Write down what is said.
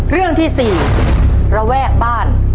เรื่องที่๔ระแวกบ้าน